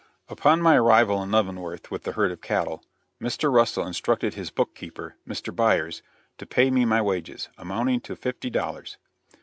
Upon my arrival in Leavenworth with the herd of cattle, Mr. Russell instructed his book keeper, Mr. Byers, to pay me my wages, amounting to fifty dollars.